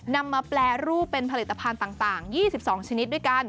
นำมาแปรรูปเป็นผลิตภัณฑ์ต่าง๒๒ชนิดด้วยกัน